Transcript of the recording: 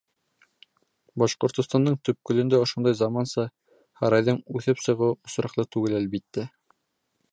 Башҡортостандың төпкөлөндә ошондай заманса һарайҙың үҫеп сығыуы осраҡлы түгел, әлбиттә.